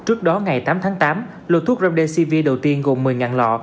trước đó ngày tám tháng tám lột thuốc remdesivir đầu tiên gồm một mươi lọ